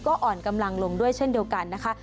ก็อ่อนกำลังลงด้วยเช่นเดียวกันนะคะ